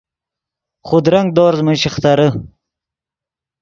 خودرنگ دورز من شیخترے